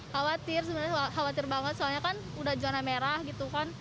khawatir sebenarnya khawatir banget soalnya kan udah zona merah gitu kan